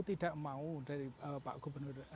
tidak mau dari pak gubernur